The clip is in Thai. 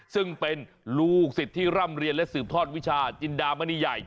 ซึ่งเป็นลูกศิษย์ที่ร่ำเรียนและสืบทอดวิชาจินดามณีใหญ่